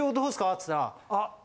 つったら。